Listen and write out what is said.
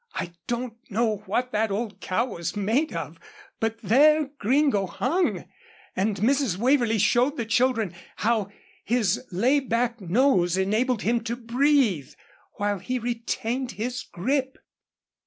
I don't know what that old cow was made of, but there Gringo hung, and Mrs. Waverlee showed the children how his lay back nose enabled him to breathe, while he retained his grip.